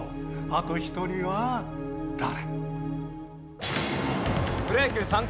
あと一人は誰？